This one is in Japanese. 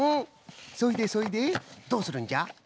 そいでそいでどうするんじゃ？